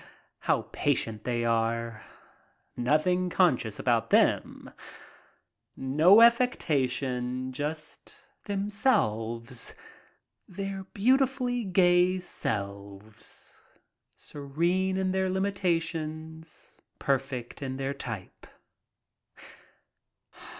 How patient they are! Nothing conscious about them. No affectation, just themselves, their beauti fully gay selves, serene in their limitations, perfect in their type.